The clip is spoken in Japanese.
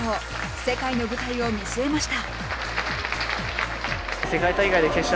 世界の舞台を見据えました。